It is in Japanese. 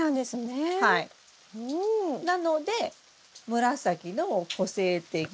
なので紫の個性的なマメ。